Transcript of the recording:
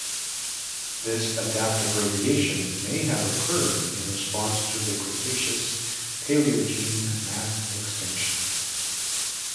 This adaptive radiation may have occurred in response to the Cretaceous-Paleogene mass extinction.